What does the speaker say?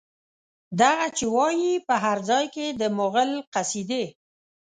دغه چې وايي، په هر ځای کې د مغول قصيدې